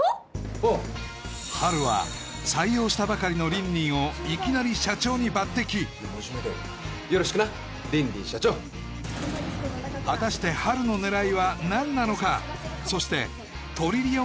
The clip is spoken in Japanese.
うんハルは採用したばかりのリンリンをいきなり社長に抜擢よろしくなリンリン社長果たしてハルの狙いは何なのか？